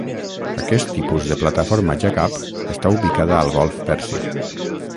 Aquest tipus de plataforma "jackup" està ubicada al golf Pèrsic.